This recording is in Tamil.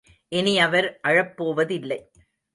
இனி அவர் அழப் போவதில்லை.